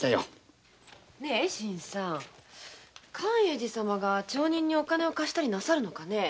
新さん寛永寺様が町人にお金を貸したりなさるかねぇ？